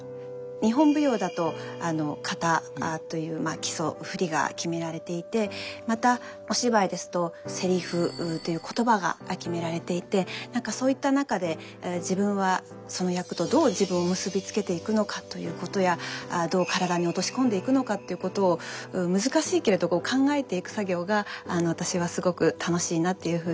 日本舞踊だと型という基礎振りが決められていてまたお芝居ですとセリフという言葉が決められていて何かそういった中で自分はその役とどう自分を結びつけていくのかということやどう体に落とし込んでいくのかっていうことを難しいけれど考えていく作業が私はすごく楽しいなっていうふうに感じます。